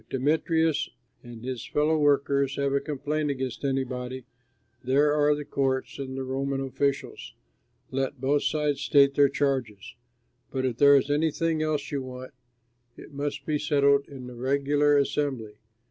If Demetrius and his fellow workers have a complaint against anybody, there are the courts and the Roman officials; let both sides state their charges. But if there is anything else you want, it must be settled in the regular assembly.